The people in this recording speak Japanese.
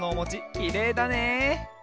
きれいだね。